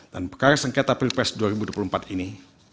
dan pekara sengketa pilpres dua ribu dua puluh empat ini